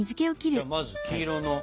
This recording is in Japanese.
じゃあまず黄色の。